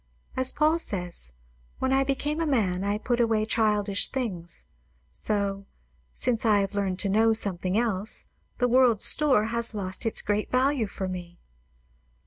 As Paul says, 'When I became a man, I put away childish things.' So, since I have learned to know something else, the world's store has lost its great value for me."